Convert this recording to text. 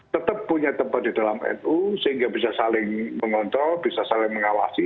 tetap punya tempat di dalam nu sehingga bisa saling mengontrol bisa saling mengawasi